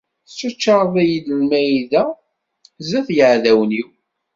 Tettaččareḍ-iyi-d lmayda sdat yiɛdawen-iw.